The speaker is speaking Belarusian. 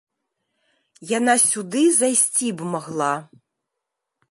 Яна сюды зайсці б магла.